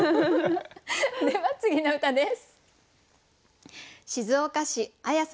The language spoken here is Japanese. では次の歌です。